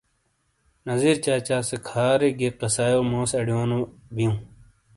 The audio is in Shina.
نزیر چا چا سے کھارے گئے قصایو موس اڑیو نو بیوں ۔